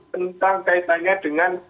tentang kaitannya dengan